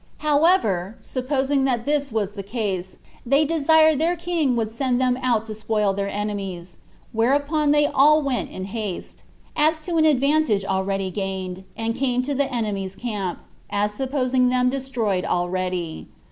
However, supposing that this was the case, they desired their king would send them out to spoil their enemies; whereupon they all went in haste, as to an advantage already gained, and came to the enemy's camp, as supposing them destroyed already.